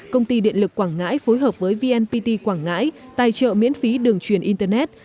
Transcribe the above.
công ty điện lực quảng ngãi phối hợp với vnpt quảng ngãi tài trợ miễn phí đường truyền internet